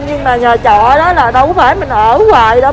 nhưng mà nhà chọ đó là đâu phải mình ở hoài đâu